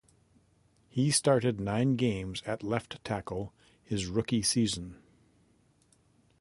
He started nine games at left tackle his rookie season.